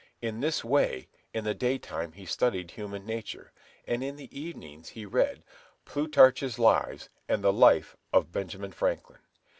In this way, in the daytime he studied human nature, and in the evenings he read "Plutarch's Lives" and the "Life of Benjamin Franklin."